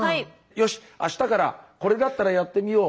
「よしあしたからこれだったらやってみよう」。